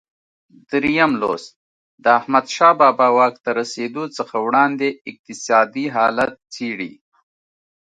درېم لوست د احمدشاه بابا واک ته رسېدو څخه وړاندې اقتصادي حالت څېړي.